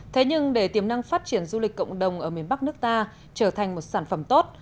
thế nhưng để tiềm năng phát triển du lịch cộng đồng ở miền bắc nước ta trở thành một sản phẩm tốt